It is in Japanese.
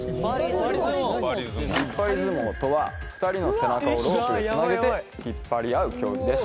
引っ張り相撲とは２人の背中をロープで繋げて引っ張り合う競技です。